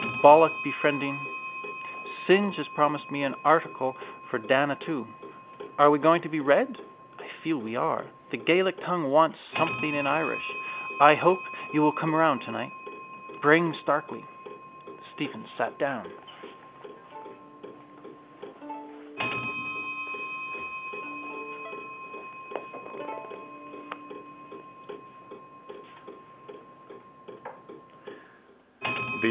Bullockbefriending. Synge has promised me an article for Dana too. Are we going to be read? I feel we are. The Gaelic league wants something in Irish. I hope you will come round tonight. Bring Starkey. Stephen sat down.